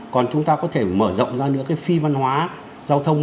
còn chúng ta có thể mở rộng ra nữa cái phi văn hóa giao thông